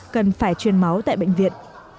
cần phải chuyên máu tại bệnh viện